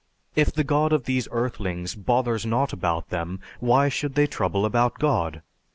If the God of these earthlings bothers not about them, why should they trouble about God?